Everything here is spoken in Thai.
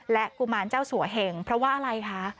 และกุมารเจ้าสัวเหงเพราะว่าอะไรคะ